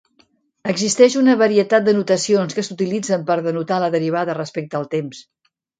Existeix una varietat de notacions que s'utilitzen per denotar la derivada respecte al temps.